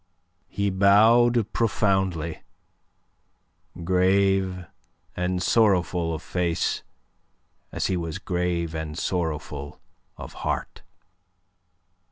He bowed profoundly, grave and sorrowful of face as he was grave and sorrowful of heart.